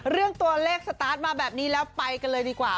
เรื่องตัวเลขสตาร์ทมาแบบนี้แล้วไปกันเลยดีกว่า